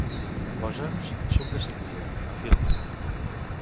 Posa'ns "Suc de síndria" a Filmin.